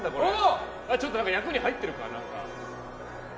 ちょっと役に入ってるか？